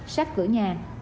sát cửa nhà